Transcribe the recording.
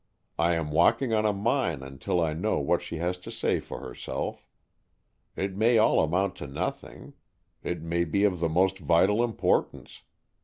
I am walking on a mine until I know what she has to say for herself. It may all amount to nothing. It may be of the most vital importance.